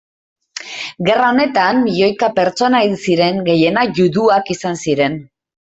Gerra honetan milioika pertsona hil ziren, gehienak juduak izan ziren.